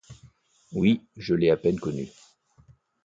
Oui, je l'ai à peine connue.